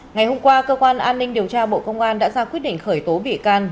ngày hôm qua cơ quan an ninh điều tra bộ công an đã ra quyết định khởi tố bị can